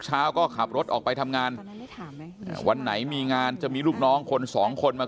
เช้าก็ขับรถออกไปทำงานวันไหนมีงานจะมีลูกน้องคนสองคนมา